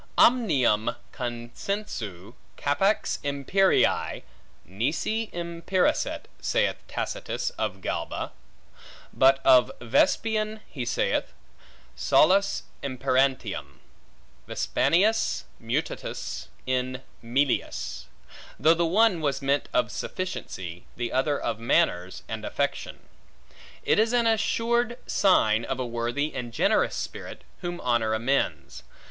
Omnium consensu capax imperii, nisi imperasset, saith Tacitus of Galba; but of Vespasian he saith, Solus imperantium, Vespasianus mutatus in melius; though the one was meant of sufficiency, the other of manners, and affection. It is an assured sign of a worthy and generous spirit, whom honor amends.